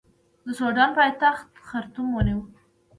د سوډان پایتخت خرطوم ونیو.